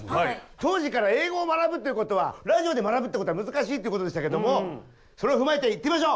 当時から英語を学ぶっていうことはラジオで学ぶってことは難しいってことでしたけどもそれを踏まえていってみましょう。